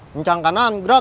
kencang kanan gerak